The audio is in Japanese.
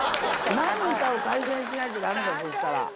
何かを改善しないとだめだ、そしたら。